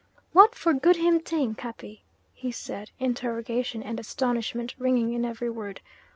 "What for good him ting, Cappy?" he said, interrogation and astonishment ringing in every word.